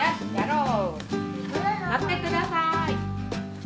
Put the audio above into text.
のってください。